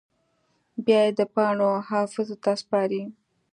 بیا یې د پاڼو حافظو ته سپاري